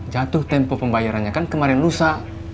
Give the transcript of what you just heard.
jatuh tempo pembayarannya kan kemarin lusa